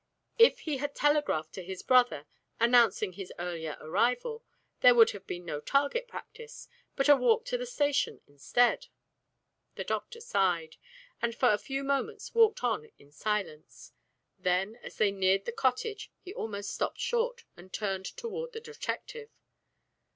If he had telegraphed to his brother announcing his earlier arrival, there would have been no target practice, but a walk to the station instead." The doctor sighed, and for a few moments walked on in silence. Then, as they neared the cottage he almost stopped short and turned toward the detective.